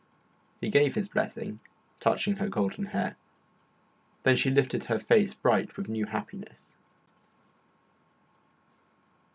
He gave his blessing, touching her golden hair; then she lifted her face bright with new happiness.